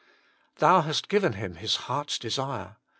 "Thou hast given him his heart s desire."